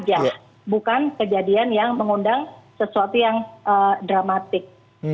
ini adalah satu kejadian yang mengundang sesuatu yang dramatik